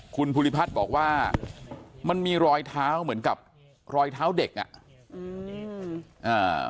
คุณภูริพัฒน์บอกว่ามันมีรอยเท้าเหมือนกับรอยเท้าเด็กอ่ะอืมอ่า